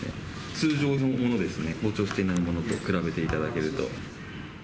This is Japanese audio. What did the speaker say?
通常のものですね、膨張していないものと比べていただけると。